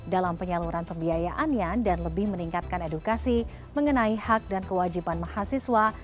dalam penyaluran pembiayaannya dan lebih meningkatkan edukasi mengenai hak dan kewajiban mahasiswa